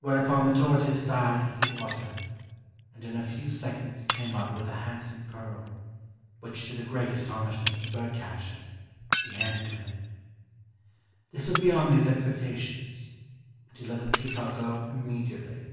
Whereupon the tortoise dived into the water and in a few seconds came up with a hand some pearl, which, to the great astonishment of the bird catcher, he handed to him. This was beyond his expecta tions, and he let the peacock go immediately.